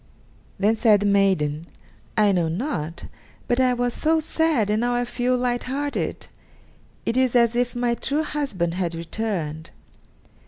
Then said the maiden: "I know not, but I was so sad, and now I feel light hearted; it is as if my true husband had returned."